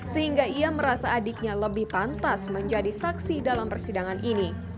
sehingga ia merasa adiknya lebih pantas menjadi saksi dalam persidangan ini